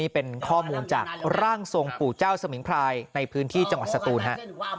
เป็นข้อมูลจากร่างทรงปู่เจ้าสมิงพรายในพื้นที่จังหวัดสตูนฮะ